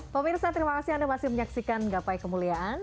pemirsa terima kasih anda masih menyaksikan gapai kemuliaan